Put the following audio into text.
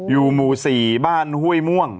อยู่หมู่๔บ้านห้วยม่วง